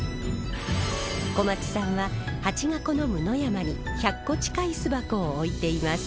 小松さんはハチが好む野山に１００個近い巣箱を置いています。